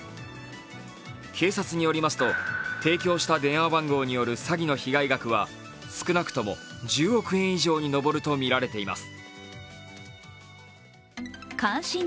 警察によりますと、提供した電話番号による詐欺の被害額は少なくとも１０億円以上に上ると見られています。